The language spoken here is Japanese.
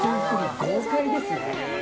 豪快ですね！